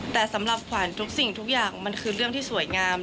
แต่สำหรับขวัญทุกสิ่งทุกอย่างมันคือเรื่องที่สวยงาม